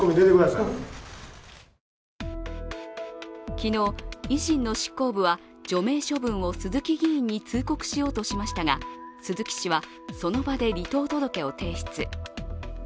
昨日、維新の執行部は除名処分を鈴木議員に通告しようとしましたが鈴木氏は、その場で離党届を提出。